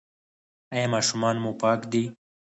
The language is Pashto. ایا ماشومان مو پاک دي؟